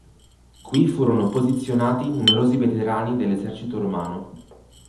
Qui furono posizionati numerosi veterani dell'esercito romano.